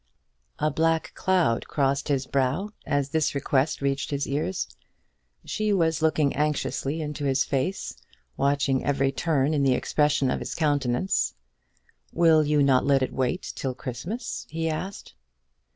A black cloud crossed his brow as this request reached his ears. She was looking anxiously into his face, watching every turn in the expression of his countenance. "Will you not let it wait till Christmas?" he asked.